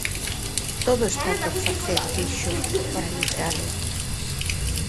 "Todo está por facer", dixo, para evitalo.